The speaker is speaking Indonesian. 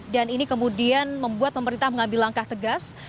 dan ini kemudian membuat pemerintah mengambil langkah tegas